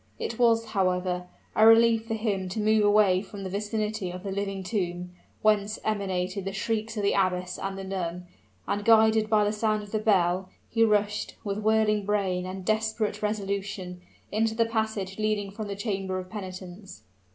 It was, however, a relief for him to move away from the vicinity of the living tomb, whence emanated the shrieks of the abbess and the nun; and guided by the sound of the bell, he rushed, with whirling brain and desperate resolution, into the passage leading from the chamber of penitence.